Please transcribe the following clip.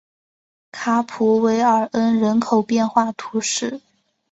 卡普韦尔恩人口变化图示